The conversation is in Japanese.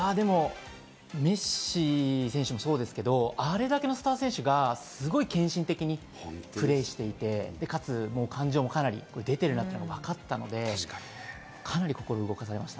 メッシ選手もそうですけど、あれだけのスター選手がすごい献身的にプレーしていて、かつ感情もかなり出てるなっていうのがわかったので、かなり心を動かされました。